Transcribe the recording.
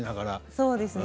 そうですね。